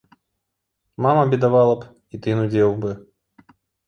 Мама бедавала б, і ты нудзеў бы.